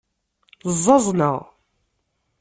Ẓẓaẓneɣ.